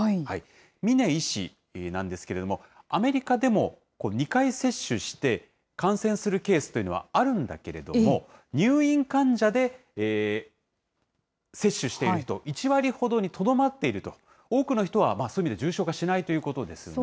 峰医師なんですけれども、アメリカでも２回接種して感染するケースというのはあるんだけれども、入院患者で接種している人、１割ほどにとどまっていると、多くの人は、重症化しないということですね。